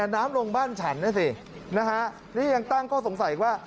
น้ำลงบ้านฉันด้วยสินี่ยังตั้งก็สงสัยว่า